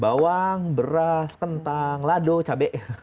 bawang beras kentang lado cabai